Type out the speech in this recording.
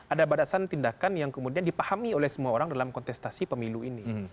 ada batasan tindakan yang kemudian dipahami oleh semua orang dalam kontestasi pemilu ini